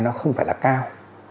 nó không phải là cao